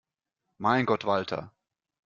Mein Gott, Walter!